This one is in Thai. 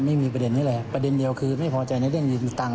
ไม่มีประเด็นนี้เลยประเด็นเดียวคือไม่พอใจในเรื่องเงินตัง